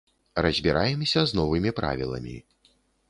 Разбіраемся з новымі правіламі.